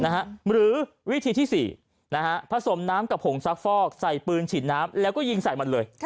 หรือวิธีที่๔ผสมน้ำกับผงซักฟอกใส่ปืนฉีดน้ำแล้วก็ยิงใส่มันเลย